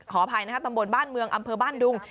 ขออภัยนะคะตำบลบ้านเมืองอำเภอบ้านดุง